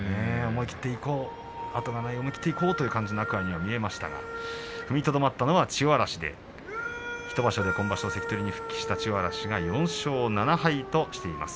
思い切っていこうと後がない思い切っていこうという天空海には見えましたが踏みとどまったのは千代嵐で１場所で、今場所関取に復帰した千代嵐が４勝７敗としています。